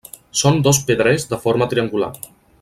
Són dos pedrers de forma triangular.